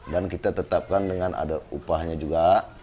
dan kita tetapkan dengan ada upahnya juga